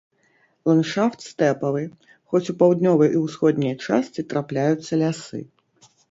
Ландшафт стэпавы, хоць у паўднёвай і ўсходняй частцы трапляюцца лясы.